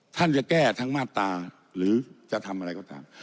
ท่านจะแก้ทั้งมาตราหรือจะทำอะไรก็ตาม